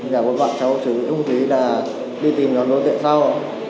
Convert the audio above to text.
và bọn cháu chuẩn bị không khí là đi tìm nhóm đối tượng sau